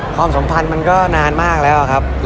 ความสัมพันธ์มันก็นานมากแล้วครับ